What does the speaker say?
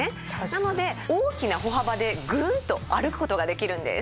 なので大きな歩幅でグンと歩く事ができるんです。